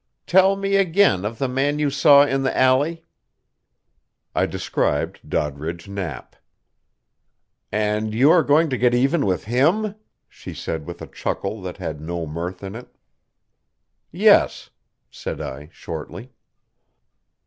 "Tell me again of the man you saw in the alley." I described Doddridge Knapp. "And you are going to get even with him?" she said with a chuckle that had no mirth in it. "Yes," said I shortly.